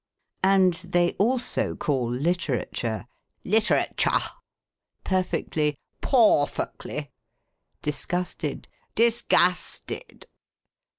And they also call, — Literature, " literetchah." Perfectly, " pawfacly." Disgusted, " disgasted."